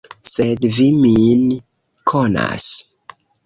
Sed vi min konas.